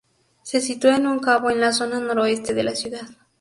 Se sitúa en un cabo en la zona noroeste de la ciudad.